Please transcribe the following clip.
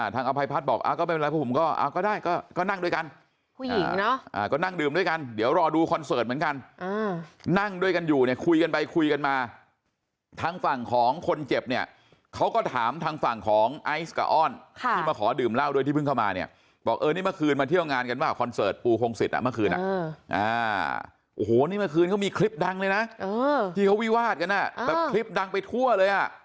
ทางอภัยพัฒน์บอกก็ไม่เป็นไรก็ผมก็ได้ก็ก็นั่งด้วยกันผู้หญิงเนาะก็นั่งดื่มด้วยกันเดี๋ยวรอดูคอนเสิร์ตเหมือนกันนั่งด้วยกันอยู่เนี่ยคุยกันไปคุยกันมาทั้งฝั่งของคนเจ็บเนี่ยเขาก็ถามทางฝั่งของไอซ์กับอ้อนที่มาขอดื่มเล่าด้วย